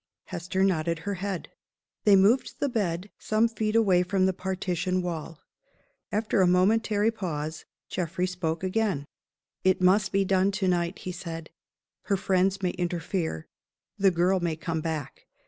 Hester nodded her head. They moved the bed some feet away from the partition wall. After a momentary pause, Geoffrey spoke again. "It must be done to night," he said. "Her friends may interfere; the girl may come back.